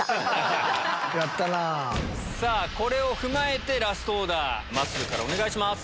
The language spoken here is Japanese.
これを踏まえてラストオーダーまっすーからお願いします。